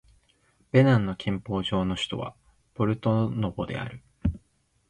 ベナンの憲法上の首都はポルトノボである